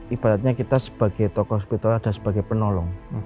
ibaratnya kita sebagai tokoh spiritual ada sebagai penolong